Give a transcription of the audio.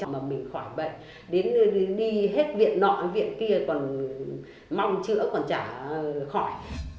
mà mình khỏi bệnh đến đi hết viện nọ viện kia còn mong chữa còn trả khỏi